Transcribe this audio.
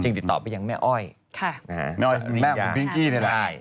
จึงติดต่อไปยังแม่อ้อยค่ะนะฮะแม่อ้อยแม่ของพิงกี้นี่แหละใช่